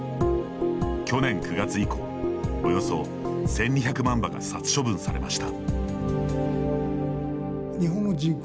去年９月以降およそ１２００万羽が殺処分されました。